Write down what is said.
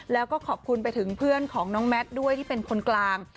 แล้วก็ขอบคุณไปถึงเพื่อนของน้องแมทด้วยที่เป็นคนกลาง